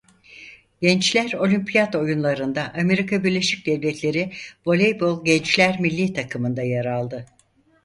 Gençler Olimpiyat Oyunları'nda Amerika Birleşik Devletleri Voleybol Gençler Milli Takımı'nda yer aldı.